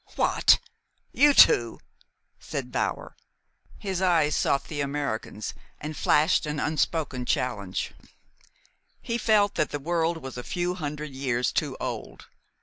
"What? You too?" said Bower. His eyes sought the American's, and flashed an unspoken challenge. He felt that the world was a few hundred years too old.